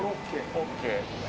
「ＯＫ」。